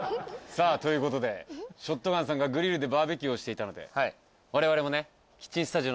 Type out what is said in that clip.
さあということでショットガンさんがグリルでバーベキューをしていたので我々もねさっきのまずはマジで？